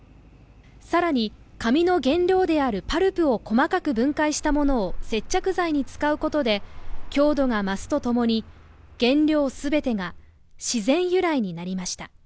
更に紙の原料であるパルプを細かく分解したものを接着剤に使うことで強度が増すとともに、原料全てが自然由来になりました。